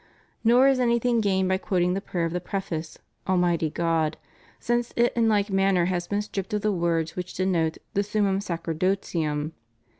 Nor is anything gained by quoting the prayer of the preface "Almighty God" since it in hke manner has been stripped of the words which denote the summum sacerdotium.